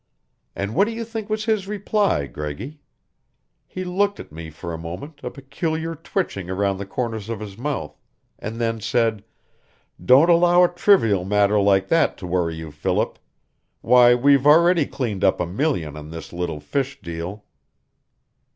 "And what do you think was his reply, Greggy? He looked at me for a moment, a peculiar twitching around the corners of his mouth, and then said, 'Don't allow a trivial matter like that to worry you, Philip. Why we've already cleaned up a million on this little fish deal!'"